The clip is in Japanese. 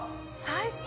最高。